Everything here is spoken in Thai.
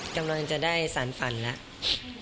กำลังจะได้สารฝันแล้ว